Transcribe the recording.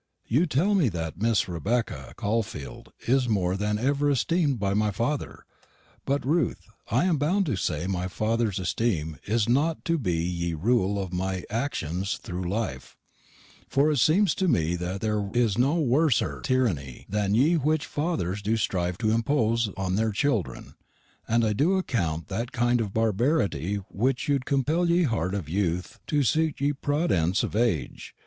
You tel me that Mrs. Rebecka Caulfeld is mor than ever estemed by my father; but, Ruth, I am bounde to say, my father's esteme is nott to be ye rule of my ackshuns thro' life, for it semes to me their is no worser tyrrannie than ye wich fathers do striv to impose on there children, and I do acount that a kind of barbarity wich wou'd compel ye hart of youth to sute ye proodense of age.